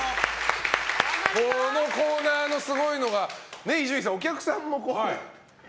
このコーナーのすごいのが伊集院さん、お客さんもね。